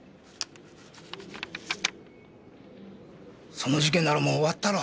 その事件ならもう終わったろ？